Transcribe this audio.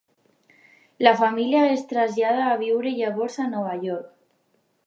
La família es trasllada a viure llavors a Nova York.